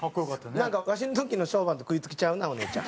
なんかわしの時のショーバンと食いつきちゃうなお姉ちゃん。